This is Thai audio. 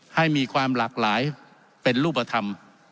ให้มีความหลากหลายเป็นรูปธรรม